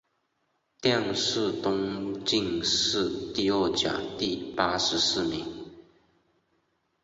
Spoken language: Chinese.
殿试登进士第二甲第八十四名。